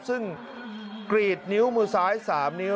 ซึ่งกรีดนิ้วมือซ้าย๓นิ้ว